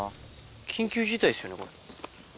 緊急事態っすよね。